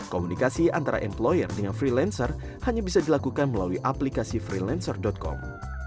komunikasi antara employer dengan freelancer hanya bisa dilakukan melalui aplikasi freelancer com